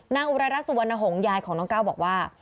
นางอุรายราศวนหงษ์ยายของน้องก้าวบอกว่า